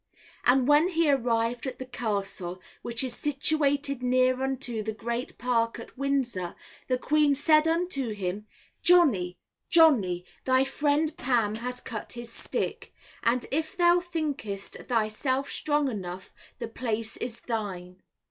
And when he arrived at the Castle, which is situated near unto the great park at Windsor, the Queen said unto him, Johnny, Johnny, thy friend Pam has cut his stick, and if thou thinkest thyself strong enough, the place is thine.